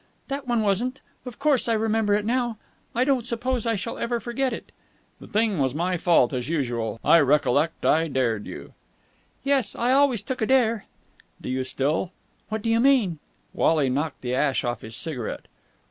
"That one wasn't! Of course I remember it now. I don't suppose I shall ever forget it." "The thing was my fault, as usual. I recollect I dared you." "Yes. I always took a dare." "Do you still?" "What do you mean?" Wally knocked the ash off his cigarette.